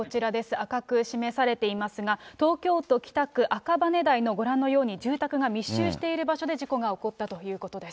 赤く示されていますが、東京都北区赤羽台のご覧のように、住宅が密集している場所で事故が起こったということです。